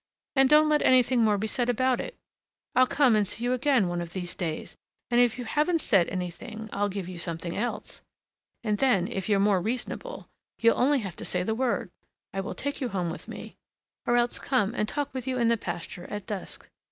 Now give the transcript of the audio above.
And don't let anything more be said about it. I'll come and see you again one of these days, and if you haven't said anything, I'll give you something else. And then, if you're more reasonable, you'll only have to say the word: I will take you home with me, or else come and talk with you in the pasture at dusk.